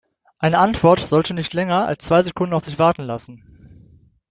Eine Antwort sollte nicht länger als zwei Sekunden auf sich warten lassen.